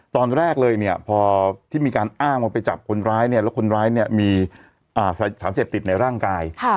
ตอนแรกเลยเนี่ยพอที่มีการอ้างว่าไปจับคนร้ายเนี่ยแล้วคนร้ายเนี่ยมีสารเสพติดในร่างกาย